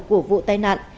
của vụ tai nạn